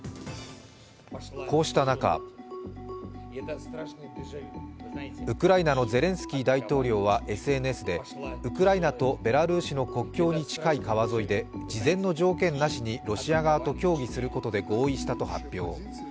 こうした中、ウクライナのゼレンスキー大統領はＳＮＳでウクライナとベラルーシの国境に近い川沿いで事前の条件なしにロシア側と協議することで合意したと発表。